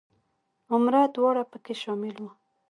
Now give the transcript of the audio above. عمره دواړه په کې شامل وو.